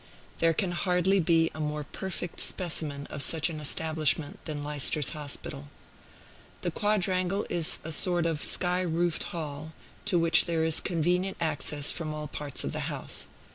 There can hardly be a more perfect specimen of such an establishment than Leicester's Hospital. The quadrangle is a sort of sky roofed hall, to which there is convenient access from all parts of the house.